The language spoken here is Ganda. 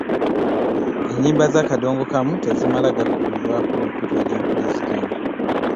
ennyimba za kadongo kamu tezimala gakubibwa ku mukutu gy'empuliziganya.